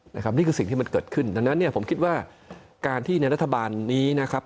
นี่คือสิ่งที่มันเกิดขึ้นจันนั้นคิดว่าการที่รัฐบาลนี้